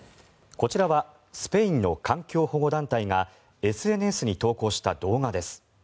こちらはスペインの環境保護団体がＳＮＳに投稿した動画です。